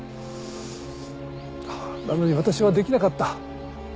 なのに私はできなかった。